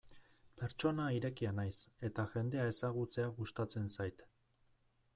Pertsona irekia naiz eta jendea ezagutzea gustatzen zait.